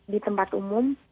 di tempat umum